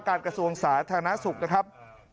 ประกาศกระทรวงสาธารณสุขนะครับ